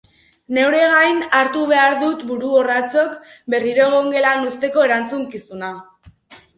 Neure gain hartu behar al dut buru-orratzok berriro egongelan uzteko erantzukizuna?